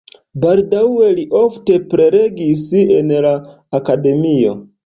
Baldaŭe li ofte prelegis en la akademio.